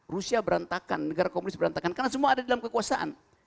rusia berantakan negara komunis berantakan karena semua ada di dalam kekuasaan